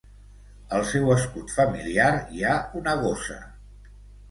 Al seu escut familiar hi ha una gossa.